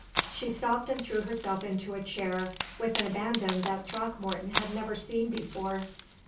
She stopped and threw herself into a chair with an abandon that Throckmorton had never seen before.